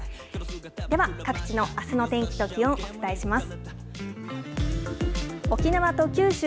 では、各地のあすの天気と気温、お伝えします。